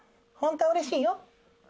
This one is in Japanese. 本当はうれしいよ。